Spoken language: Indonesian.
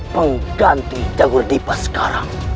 pengganti jagodipa sekarang